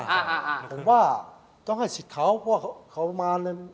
แต่ว่าต้องให้สิทธิ์เขาเพราะว่าเขามาเลย